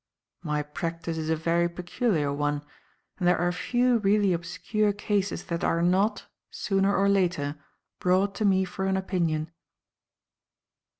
My practice is a very peculiar one, and there are few really obscure cases that are not, sooner or later, brought to me for an opinion."